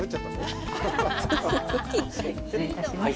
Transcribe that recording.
失礼いたします。